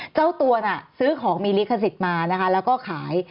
เจ้าตัวน่ะซื้อของมีลิขสิทธิ์มานะคะแล้วก็ขาย